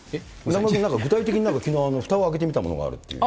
中丸君、具体的にきのう、ふたを開けてみたものがあるっていう。